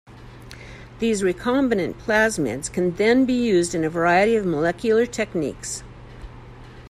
These recombinant plasmids can then be used in a variety of molecular techniques.